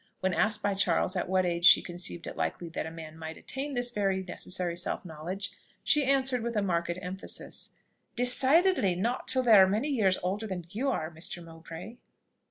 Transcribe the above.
When asked by Charles at what age she conceived it likely that a man might attain this very necessary self knowledge, she answered with a marked emphasis, "Decidedly not till they are many years older than you are, Mr. Mowbray."